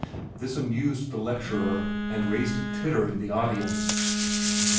This amused the lecturer and raised a titter in the audience.